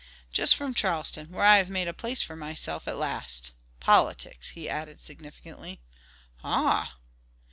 "Just from Charleston, where I have made a place for myself at last. Politics," he added significantly. "Ah!"